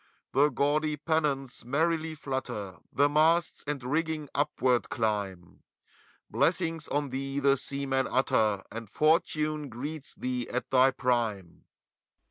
The gandy pennons merrily flutter, The masts and rigg:ing upward dimb : Blessings on thee the seamen utter, And Fortune greets thee at thy prime.